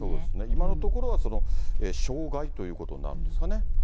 今のところは傷害ということになるんですかね。